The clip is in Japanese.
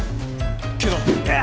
けど